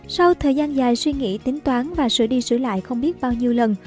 sau thời gian dài suy nghĩ tính toán và sửa đi sửa lại không biết bao nhiêu lần